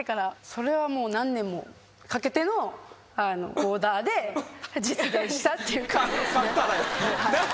それはもう何年もかけてのオーダーで実現したっていう感じですね。